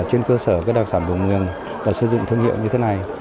trên cơ sở đặc sản vùng miền và xây dựng thương hiệu như thế này